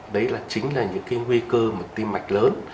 đấy là chính là những nguy cơ tìm mạch lớn